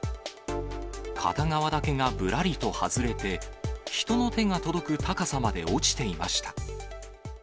片側だけがぶらりと外れて、人の手が届く高さまで落ちていました。